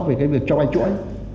về cái việc cho bán chuỗi